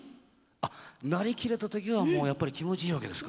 あ成りきれた時がもうやっぱり気持ちいいわけですか。